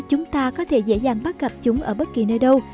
chúng ta có thể dễ dàng bắt gặp chúng ở bất kỳ nơi đâu